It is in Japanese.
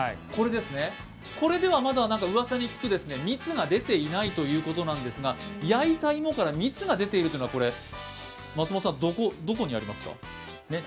これではまだ、うわさに聞く蜜が出ていないのですが焼いた芋から蜜が出ているというのは、どこにありますか？